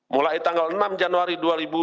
mulai tanggal enam januari dua ribu dua puluh